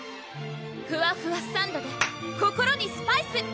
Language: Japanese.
ふわふわサンドｄｅ心にスパイス！